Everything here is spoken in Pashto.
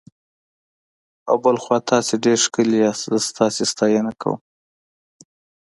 او بل خوا تاسي ډېر ښکلي یاست، زه ستاسي ستاینه کوم.